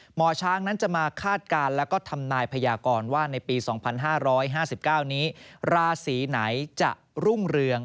หมอช้างนั้นจะมาคาดการณ์แล้วก็ทำนายพยากรว่าในปี๒๕๕๙นี้ราศีไหนจะรุ่งเรือง